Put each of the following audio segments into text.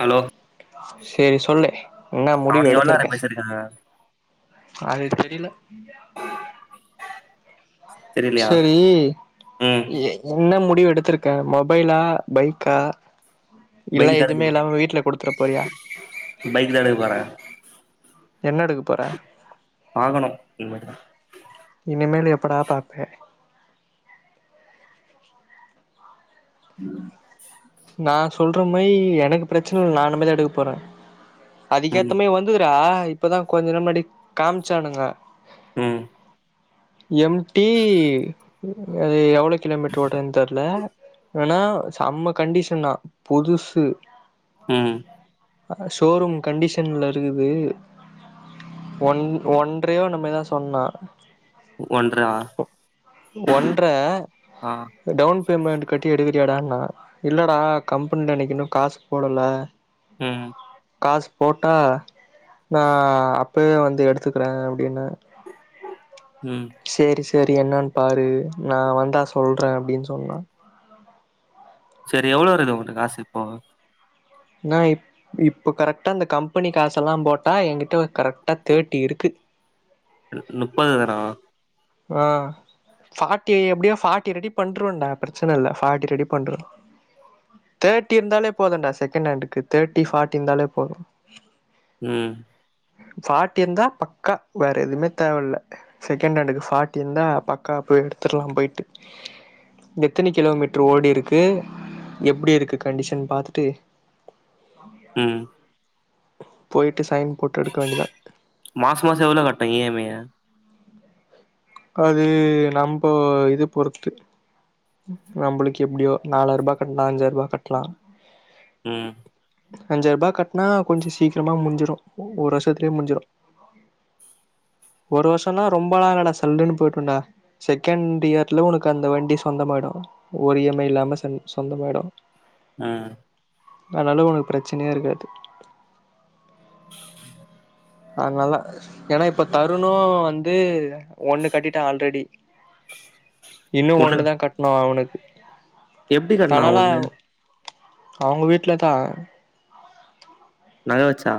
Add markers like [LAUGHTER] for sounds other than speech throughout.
hello செரி சொல்லு என்ன முடிவு அவனுங்க எவ்ளோ நேரோ எடுத்திருக்க பேசிருக்காங்க அது தெரியல தெரியலையா சரி ம் எ என்ன முடிவு எடுத்திருக்கே மொபைலா பைக்கா இல்ல பைக் தான் எதுமே எடுக்க இல்லாம வீட்டுல குடுத்துற போறியா பைக் தான் எடுக்க போறே என்ன எடுக்க போற பாக்கணு இனி மேட்டு தா இனிமேல் எப்படா பாப்ப உம் [INAUDIBLE] நா சொல்றே மாரி எனக்கு பிரச்சன இல்ல நானுமேதா எடுக்க போறே ம் அதுக்கேத்தமாரி வந்து றா இப்ப தா கொஞ்சு நேரோ முன்னாடி காமிச்சானுங்க உம் எம் டி அது எவ்ள கிலோமீட்ரு ஓடுதுன் தெர்ல வேணா செம்ம கண்டிஷனா புதுசு ம் அ ஷோரூம் கண்டிஷன்ல இருக்குது ஒன் ஒன்றையோ என்னமேதா சொன்னா ஒன்றா உ ஒன்ற ஆ டவுன் பேமெண்ட் கட்டி எடுக் கியாடான்னா இல்லடா கம்பென்ல எனக்கு இன்னு காசு போடல ம் காசு போட்டா நா அப்பவே வந்து எடுத்துக்குறே அப்டின்னு ம் தேரி என்னான் பாரு நா வந்தா சொல்றே அப்டின் சொன்னா செரி எவ்ளோ இருகுது உங்ட்ட காசு இப்போ நா இப் இப்ப கரெக்டா இந்த கம்பெனி காசெல்லாம் போட்டா எங்கிட்ட ஒ கரெக்டா தேட்டி இருக்கு ன் நுப்பது தானா அ சாட்டி எப்டியோ ஃபாட்டி ரெடி பண்ருவண்டா பிரச்சின இல்ல ஃபாட்டி ரெடி பண்றுவ் தேட்டி இருந்தாலே போதுண்டா செகண் ஹேண்டுக்கு தேட்டி ஃபாட்டிந்தாலே போது ம் ஃபாட்டிருந்தா பக்கா வேற எதுமே தேவல்ல செகண்டு ஹேண்டுக்கு ஸ் ஃபாட்டி இந்தா பக்கா போய் எடுத்துர்லாம் போய்ட்டு எத்தினி கிலோமீட்ரு ஓடிருக்கு எப்டி இருக்கு கண்டிஷன் பாத்துட்டு ஆய ம் [INAUDIBLE] போய் மாச மாசோ எவ்ளோ கட்டிங்க இ எம் ஐ ய அது நம்போ இது பொருத்து நம்புளுக்கு எப்டியோ நாலாய்ர்பா கட்னா அஞ்சாய்ர்பா கட்லா ம் அஞ்சாய்ர்பா கட்னா கொஞ்சொ சீக்கிரமா முன்ஞ்சிரு ஒரு வர்ஷத்லியே முன்ஞ்சிரு ஒரு வருஷன்னா ரொம்பலா இல்லடா ஸ் அல்லுனு போயிடுண்டா செகண்ட் இயர்ல உனுக்கு அந்த வண்டி சொந்தமாய்டு ஒரு இ எம் ஐ இல்லாம சந் சொந்தமாய்டு அ அனால உனக் பிரச்சனையே இருக்காது [INAUDIBLE] அதுனால ஏனா இப்ப தருணு வந்து ஒண்ணு கட்டிட்டா ஆல்ரெடி இன்னு ஒண்ணு ஒண்ணுதா கட்ணு அவுனு எப்டி கட்னா அவ வந்து அவுங்க வீட்லத்தா நக வெச்சா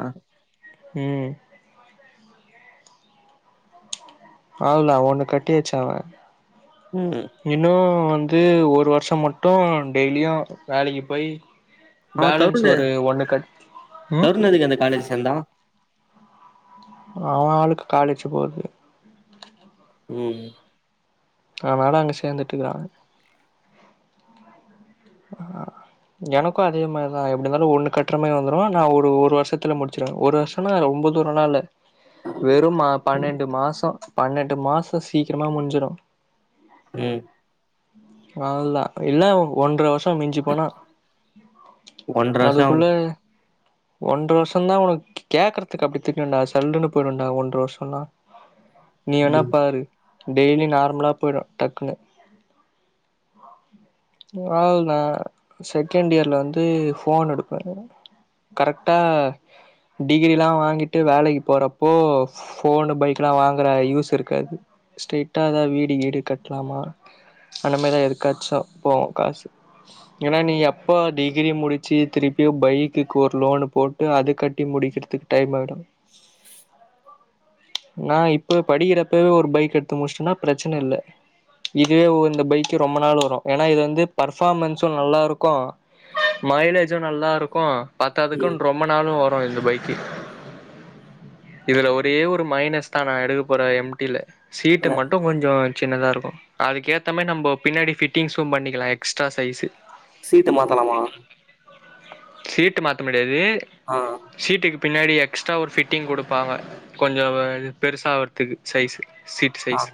ம் அவுள்தா ஒண்ணு கட்டியாச்சு அவே ம் இன்னு வந்து ஒரு வர்ஷம் மட்டு டெய்லியு வேலைக்கி போயி ஆ தருணு ம் தருண் என்னிக்கு அந்த காலேஜ் சேந்தா அவ ஆளுக்கு காலேஜ் போவுது ம் அதனால அங்க சேர்ந்துட்டுக்கிறங்க ஆ எனக்கும் அதே மாரிதான் எப்படி இருந்தாலும் ஒண்ணு கட்டுறமே வந்துரும் நான் ஒரு ஒரு வருஷத்துல முடிச்சிருவேன் ஒரு வருஷம்ன்னா ஒன்பதுூர நாள் இல்ல வெறும் பன்னெண்டு மாசம் பன்னெண்டு மாசம் சீக்கிரமாக முஞ்சிடும் ம் அவ்தா இல்ல ஒன்ற வரு பசம் மிஞ்சு போனா ஒன்ற ஷம் அதுக்குள்ள ஒன்ற வருஷம் தான் உனக்கு கேக்குறதுக்கு அப்படி தெரியும்ண்டா சல்லன்னு போயிடும்ண்டாங்க ஒன்று வருஷம்லாம் நீ என்ன ம் பாரு டெய்லி நார்மலா போயிடும் டக்குன்னு நான் செகண்ட் இயரில் வந்து ஃபோன் எடுப்பேன் கரெக்டாக டிகிரிலாம் வாங்கிட்டு வேலைக்கு போகிறப்போ ஃபோனு பைக்கலாம் வாங்கிற யூஸ் இருக்காது ஸ்ட்ரரை்டாக அதான் வீடு வீடு கட்டலாமா அந்தமாரிரி தான் எதுக்காச்சும் போவோம் காசு ஏன்னா நீ எப்பா டிகிரி முடிச்சு திருப்பி பைக்குக்கு ஒரு லோன போட்டு அது கட்டி முடிக்கிறதுக்கு டைம் ஆயிறும் நான் இப்ப படிக்கிறப்பவே ஒரு பைக் எடுத்து முடிச்சேன்னா பிரச்சனை இல் இதுவே இந்த பைக் ரொம்ப நாள் வரும் ஏன்னா இதது வந்து பர்ஃபாமன்ஸும் நல்லாயிருக்கும் மைலேஜும் நல்லாயிருக்கும் ம் பத்ததுக்குன்னு ரொம்ப நாளும் வரும் இந்த பைக்கு இதுல ஒரே ஒரு மைனஸ் தான் நான் எடுக்க போறன் எம் டிில சீட்டு என்ன மட்டும் கொஞ்சம் சின்னதா இருக்கும் அதுக்கு ஏத்தமாதுரி நம்ம பின்னாடி பிட்டிங்ஸும் பண்ணிக்கலாம் எக்ஸ்ட்ரா சைஸு சீட்டு மாத்தலாமா சீட் மாத்தா இது ஆ சீட்டுக்கு பின்னாடி எக்ஸ்ட்ரா ஒரு ஃபிட்டிங் கொடுப்பாங்க கொஞ்சம் பெருசாக ஆகறதுக்கு சைஸு சீட் ஆ சைஸ்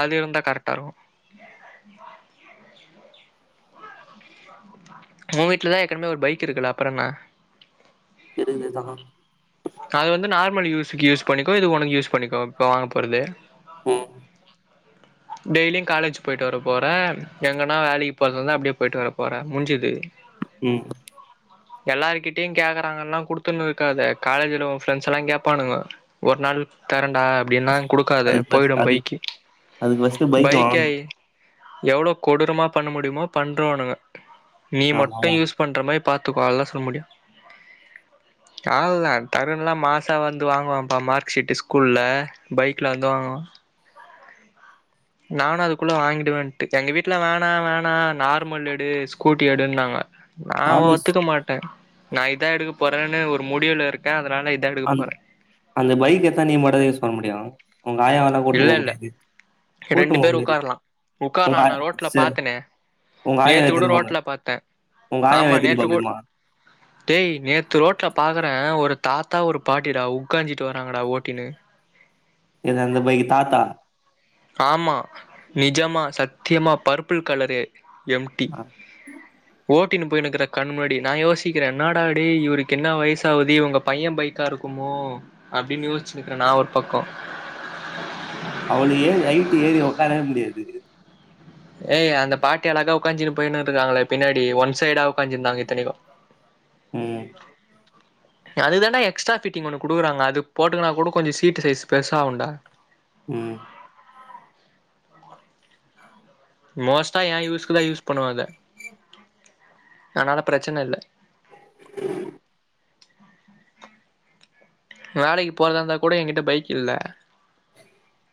அது இருந்தா கரெக்டா இருக்கும் உன் வீட்லதான் ஏற்கனமே ஒரு பைக் இருக்குல்ல அப்புற என்ன இருக்குது தான் அது வந்து நார்மல் யூஸக்கு யூஸ் பண்ணிக்கோ இது உனக்கு யூஸ் பண்ணிக்கோ இப்ப வாங்க போறது ம் டெய்லிங் காலேஜ் போயிட்டு வர போறேன் எங்கனா வேலைக்கி போறதுந்தா அப்படியே போயிட்டு வரபோற முஞ்சுது ம் எல்லார்கிட்டியும் கேக்குறாங்கன குடுத்துன்னு இருக்காத காலேஜில உ ஃப்ரெண்ட்ஸ்லா கேப்பானுங்க ஒரு நாள் தரண்டா அப்படின்னா குடுக்காத அதுக்கு ஃபஸ் போயிடு அது பைக்கி அதுக்கு ஃபஸ்ட்டு பைக் வாங்கணு பைக்கயி எவ்ளோ கொடூரமா பண்ணமுடியுமோ பண்றோனுங்க நீ ஆமா மட்டும் ஆமா யூஸ் பண்ற மாரிப் பாத்துகோ ஆல்த சொல்ல முடியு கால்ல தருண்லாம் மாசா வந்து வாங்குவாம்ப்பா மார்க்ஷீட்டு் ஸ்கூல்ல பைக்ல வந்து வாங்குவா நானும் அதுகுள்ள வாங்கிடுவேன்ட்டு எங்க வீட்டுல வேணா வேணா நார்மல் எடு ஸ்கூட்டி எடுன்னாங்க நா ஆர்எஸ் ஒத்துக்க மாட்டே நா இதா எடுக்க போறேன்னு ஒரு முடிவுல இருக்கே அத அந் அந்த பைக் எத்தா நீ மட்டுதா யூஸ் பண்ண முடியு உங்க ஆயாவெல்லா கூட்னு இல்ல போ இல்ல முடியாது ரெண்டு கூட்னு போ பேர் முடியாது உக்கார்லா உங்க ஆ உக்கார்லாடா ரோட்ல சேர் பாத்தனே உங்க ஆயாவ நேத்து கூட எத்துனு போங்க ரோட்ல பாத்தே உங்க ஆயாவ ஆமா எத்துனு நேத்து போ கூ முடியுமா டேய் நேத்து ரோட்ல பாக்குறே ஒரு தாத்தா ஒரு பாட்டிடா உக்காஞ்சிட்டு வராங்கடா ஓட்டின்னு எது அந்த பைக் தாத்தா ஆமா நிஜமா சத்தியமா பர்பிள் கலரு எம் டி அ ஓக் ட்டின்னு போய்நுக்குற கண்ணுமுன்னாடி நா யோசிக்குற இன்னாடாடே இவுருக்கு என்னா வயசாவுது இவுங்க பைய பைக்கா இருக்குமோ அப்டின்னு யோச்சுநிக்குற நா ஒரு பக்கோ அவங்க ஏறி ஹைட் ஏறி ஒக்காரவே முடியாது ஏய் அந்த பாட்டி அழகா ஒக்காஞ்சினு போயின்னே இருக்காங்களே பின்னாடி ஒன் சைடா ஒக்காஞ்சிருந்தாங்க இத்தனைக்கு ம் [INAUDIBLE] அதுதான்டா எக்ஸ்ட்ரா ஃபிட்டிங் ஒன்னு குடுக்குறாங்க அது போட்டுகுனாக்கூடோ கொஞ்சொ சீட்டு சைஸ் பெருசாவுண்டா ம் மோஸ்டா ஏ யூஸ்குதா யூஸ் பண்ணுவ அத அதுனால பிரச்சன இல்ல [UNINTELLIGIBLE] வேலைக்கு போறதா இருந்தா கூட எகிட்ட பைக் இல்ல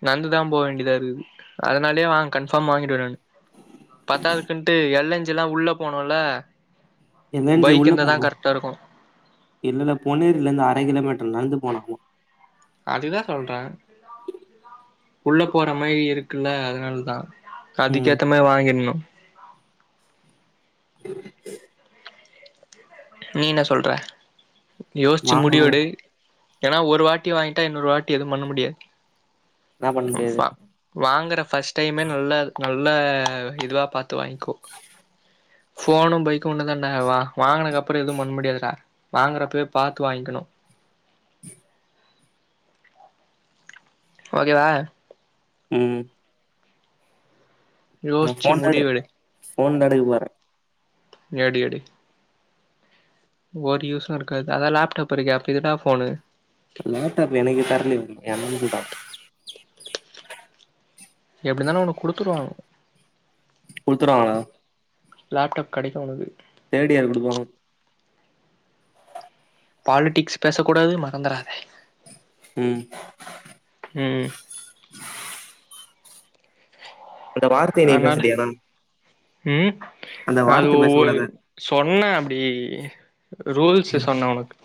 நந்துதா போ வேண்டியதா இருகுது அதனாலயே வாங் கன்ஃபார்ம் வாங்கிடுவே நானு பத்தாதுகுன்ட்டு எள் எஞ்சுலா உள்ள போனுல எல் என் ஜி பைக் உள்ள இருந்தாதா போனுமா கரெக்டா இருக்கு இல்லல பொன்னேறிலந்து அர கிலோமீட் நி நடந்து போனா உ அதுக்குதா சொல்றே உள்ள போற மாரி இருக்குல அதனால்தா ம் அதுக்கேத்த மாரி வாங்கிட்ணு [UNINTELLIGIBLE] நீ இன்னா சொல்ற யோச்சு வாங்க முடிவெடு ஏனா ஒரு வாங்கிட்டா இன்னொரு வாட்டி எதுவு பண்ண முடியாது என்னா பண்ண உ ஃப முடியாது வாங்கற ஃபஸ்ட்டைமே நல்லா இருக்கு நல்ல இதுவா பாத் து வாங்கிக்கோ ஃபோனு பைக் கு ஒன்னுதான வா வாங்குனக் அப் பறொ எதுவு பண்முடியாதுடா வாங்குறப்பவே பாத்து வாங்கிக்கணு ஓகேவா ம் யோச்சு முடிவெடு ஃபோன்தா எடுக்க போறே எடு எடு ஒரு யூஸும் இருக்காது அதான் லேப்டாப் இருக்கே அப்பறம் எதுக்டா ஃபோனு லேப்டாப் எனக்கு தரலயே என் ஃப்ரெண்டு குடுத்தான் எப்டிருந்தாலும் உனக்கு குடுத்துருவாங்க குடுத்துருவாங்கலா லேப்டாப் கிடைக்கும் உனக்கு தேர்ட் இயர் குடுப்பாங்க பாலிடிக்ஸ் பேச கூடாது மறந்துறாத ம் உம் அந்த வார்த்தய நீ பேசுட்டியேடா ஹ்ம் அது ஒரு பேசக்கூடாது சொன்னே ப்டி ரூல்ஸ்சு ம் சொன்னே ஒனக்கு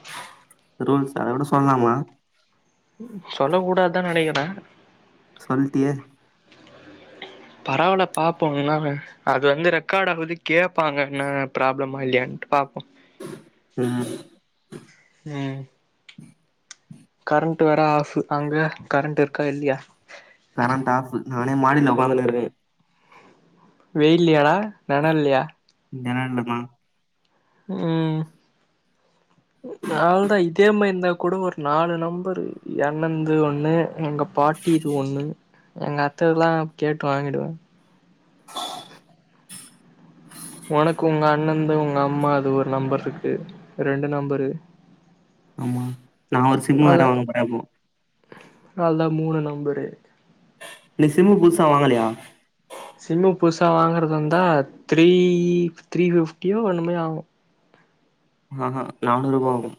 ரூல்ஸ் அத விட சொல்லலாமா சொல்ல கூடாதான் நெனைக்கிறே சொல்ட்டியே பரவால பாப்போம்னா அது வந்து ரெக்கார்ட் ஆவுது கேப்பாங்க என்ன ப்ராப்ளமா இல்லையான்ட்டு பாப்போம் ம் உம் கரண்ட் வேற ஆஃப் அங்க கரண்ட் இருக்கா இல்லையா கரண்ட் ஆஃப் நானே மாடில உக்காந்துனு இருக்கே வெயில்லையாடா நெழல்லையா நெழல்லதா ஹ்ம் இதே மாரி இருந்தா கூட ஒரு நாலு நம்பர் என் அண்ணண்து ஒண்ணு எங்க பாட்டிது ஒண்ணு எங்க அத்தைதெல்லாம் கேட்டு வாங்கிடுவே ஒனக்கு உங்க அண்ணன்து உங்க அம்மாது ஒரு நம்பர் இருக்கு ரெண்டு நம்பரு ஆமா நா ஒரு சிம் வேர வாங்க போறே போ அதான் த மூணு நம்பரு நீ சிம் புதுசா வாங்கலையா சிம்மு புதுசா வாங்குறதா இருந்தா த்ரீ த்ரீ ஃபிப்டியோ என்னமோ ஆகும் ஆஹ்ஹ் நானூறு ரூபா வரும்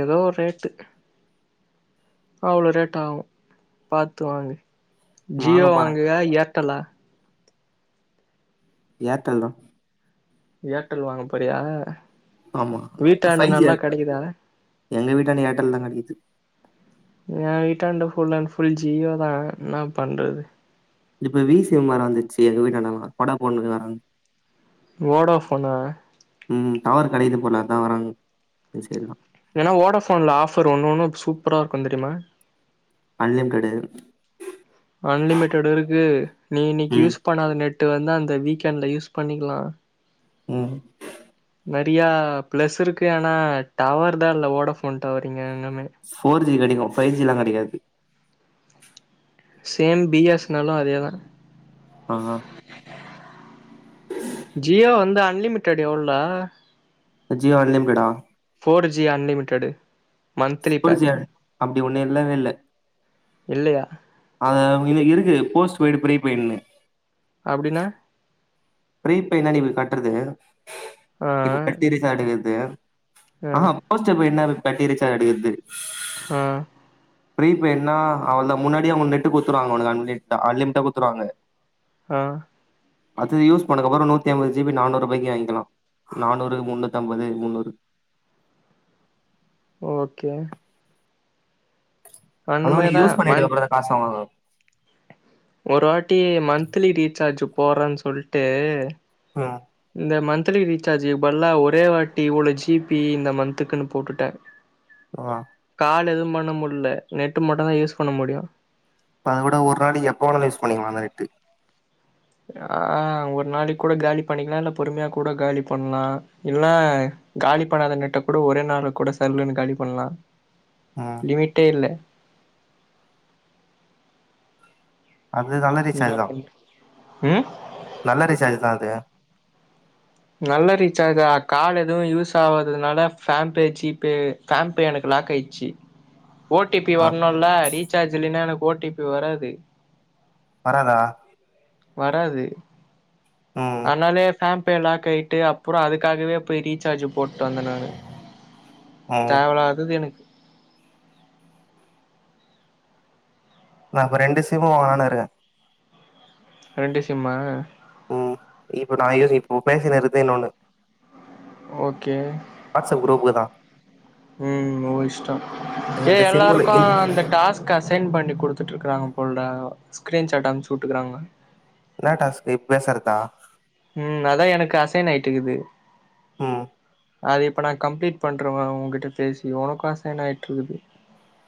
ஏதோ ஒரு ரேட்டு அவ்வளவு ரேட்டு ஆவும் பாத்து வாங்கு வாங்க ஜியோ போறே வாங்குங்க ஏர் தல ஏர்டெல் தா ஏர்ட்டல் வாங்க போறியா ஆமா வீட்டாண்ட பைவ் ஜி நல்லா கெடைக்குதா எங்க வீட்டாண்ட ஏர்டெல் தான் கிடைக்குது ஏ வீட்டாண்ட ஃபுல் அண்ட் ஃபுல் ஜீயோ தான் என்ன பண்றது இப்ப விசி சிம்வேற வந்துருச்சு எங்க வீட்டாண்டெல்லாம் படா போன்னு ஓடோபோனா நா வரங் பேசியர்லா ஏனா ஓடாஃபோன்ல ஆஃபர் ஒன்னு ஒன்னு சூப்பரா இருக்கு தெரியுமா அன்லிமிட்டடு அன்லிமிட்டடு இருக்கு நீ இன்னைக்கு ம் யூஸ் பண்ணாத நெட் ட்டு வந்து அந்த வீக்கெண்ட்ல யூஸ் பண்ணிக்கலா உம் நறையா ப்ளஸ் இருக்கு ஆனா டவர் தா இல்ல ஓட ஃபோன் டவாரிங் ஃபோர் ஜி கடைக்கும் பைஜி எல்லா கிடைக்காது சேம் பிஎஸ்னலு அதேதா ஆ ஜியோ வந்து அன்லிமிட்டடு எவ்ளோடா ஜியோ அன்லிமிட்டடா four G unlimited monthly pack டி ஒன்னு இல்லவே இல்ல இல்லையா அதா [UNINTELLIGIBLE] இருக்கு போஸ்ட் பெய்டு ப்ரீபெய்டுனு அப்டினா ப்ரீபெய்னா நீ போய் கட்றது ஆ இப்ப கட்டீரி சாடுக்குது ஆ அ ஹா போஸ்ட்டுபோய்டுனா கட்டிருச்சா அடுக்கிது ஆ ப்ரீபெய்டுன அவளதா முன்னாடியே அவங்க நெட்டு கொடுத்துருவாங்க உனக்கு அன்லிமிட்டா அன்லிமிட்டா கொடுத்துருவாங்க ஹா அது யுஸ் போனக் அப்ரோ நூத்தி ஐம்பது ஜிபி நானூறுபாய்க்கு வாங்கிக்கலா நானூறு முன்னூத்தம்பது முன்னூறு ஓகே அந்த அது நீ மாரிதா யூஸ் பண்ணிட்டு மந் அப்ரோ காசுவாங்கு போரோன்னு சொல்ட்டு ம் இந்த மந்த்லி ரீசார்ஜ் பதிலா ஒரே வாட்டி இவ்வளவு ஜிபி இந்த மந்த்துக்குன்னு போட்டுட்ட ஆ கால் எதோ மண்ண முடுல நெட்டு மட்டு தா யூஸ் பண்ண முடியு தாகுடோ ஒரு நாளைக்கு எப்ப வேணாலு யூஸ் பண்ணிக்கலா அந்த நெட்டு ஆ ஹ் ஒரு நாளைக்கு கூட காலி பண்ணிக்கலா இல்ல பொறுமையா கூட காலி பண்ணலா இல்லனா காலி பண்ணாத நெட்ட கூட ஒரே நாள்ள கூட சல்ன்னு காலி பண்ணலா ம் லிமிட்டே இல்ல அது நல்ல ரீசார்ஜ் தா உம் நல்ல ரிசார்ஜ் தா அது நல்ல ரீசார்ஜா கால் எது யூஸ் ஆவதனால ஃபான்பே ஜிபே ஃபான்பே எனக்கு லாக் ஆயிடுச்சு ஓ டி பி ஆ வரணுல ரீசார்ஜ் இலன்னா எனக் ஓ டி பி வராது வராதா வராது ம் ஆனாலயே பான்பே லாக்காயிட்டு அப்புறம் அதுக்காகவே போய் ரீசார்ஜ் போட்டு வந்தன் நானு ம் தேவல்லாதது எனக்கு நான் இப்ப ரெண்டு சிம் வாங்கலான்னுருக்கே ரெண்டு சிம்மா ம் இப்ப நான் யோசி இப்போ பேசினுருக்கது இன்னொன்னு ஓகே அ ம் ஓ இஷ்டம் ஏ இந்த சிம்முல எல்லாருக்கும் இல் அந்த டாஸ்க் அஸ் செண்ட் பண்ணி கொடுத்துட்டுருக்கறாங்க போல்டா ஸ்க்ரீன்ஷாட் அனுப்ச்சு விட்டுக்கறாங்க என்ன டாஸ்க் இப்ப பேசறதா ம் அதான் எனக்கு அசைன் ஆயிட்டுக்குது ம் அது இப்ப நான் கம்ப்ளீட் பண்றவன் உன்கிட்ட பேசி உனக்கு ஆசைன்ன ஆயிட்டு இருக்குது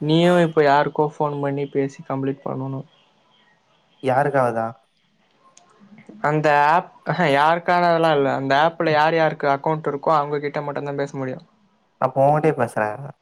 நீயும் இப்ப யாருக்கோ போன் பண்ணி பேசி கம்ப்ளீட் பண்ணணும் யாருக்காவதா அந்த ஆப் யாருக்கானதெல்லாம் இல்ல அந்த ஆப்ல யார் யாருக்கு அக்கௌண்டட் இருக்கோ அவங்க கிட்ட மட்டம்தான் பேச முடியும் அப்ப ஓன்கிட்டயே பேசுறே